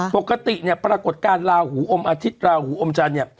ปกติปรากฏการณ์ลาหูอมอาทิตย์ลาหูอมจันทร์